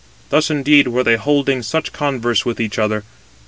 Thus indeed were they holding such converse with each other.